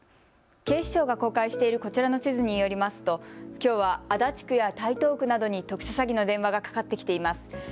警視庁が公開しているこちらの地図によりますときょうは足立区や台東区などに特殊詐欺の電話がかかってきています。